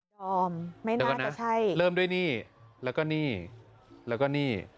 พร้อมไม่นานก็ใช่เริ่มด้วยนี่แล้วก็นี่แล้วก็นี่๒๐๕